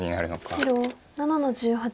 白７の十八。